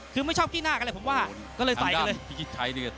คือไม่ชอบกี้หน้ากันเลยผมว่าก็เลยใสเลย